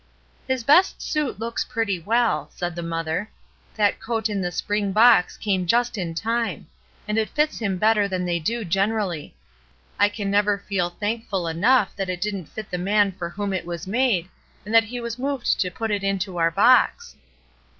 '^His best suit looks pretty well," said the mother. ''That coat in the spring box came just in time; and it fits him better than they do generally. I can never feel thankful enough that it didn't fit the man for whom it was made, and that he was moved to put it into our box."